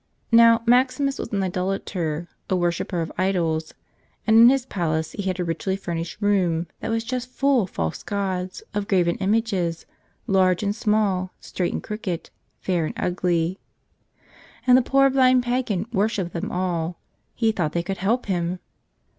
Now, Maximus was an idolater, a worshipper of idols, and in his palace he had a richly furnished room that was just full of false gods, of graven images, large and small, straight and crooked, fair and ugly. And the poor blind pagan worshipped them all. He thought they could help him!